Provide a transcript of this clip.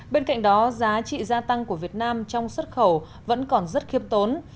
bên cạnh đó giá trị gia tăng của việt nam trong xuất khẩu vẫn còn rất khiêm tốn